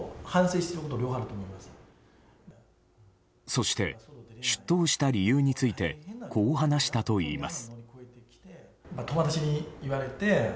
そして、出頭した理由についてこう話したといいます。